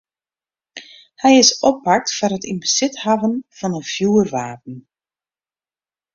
Hy is oppakt foar it yn besit hawwen fan in fjoerwapen.